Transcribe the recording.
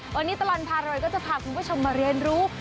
วันนี้ตลอดพารวยก็จะพาคุณผู้ชมมาเรียนรู้